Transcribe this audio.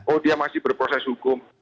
oh dia masih berproses hukum